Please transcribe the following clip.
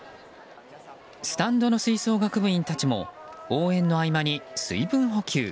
スタンドの吹奏楽部員たちも応援の合間に水分補給。